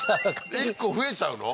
１個増えちゃうの？